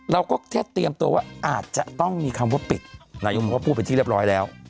เราก็แทรียมตัวว่าอาจจะต้องมีคำว่าปิดยังคะอนค์ภูมิเป็นที่เรียบร้อยแล้ว